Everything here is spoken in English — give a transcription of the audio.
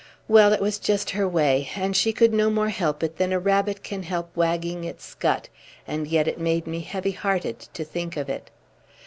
Well, it was just her way, and she could no more help it than a rabbit can help wagging its scut, and yet it made me heavy hearted to think of it.